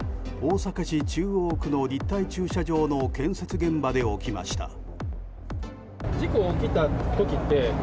大阪市中央区の立体駐車場の建設現場で起きました。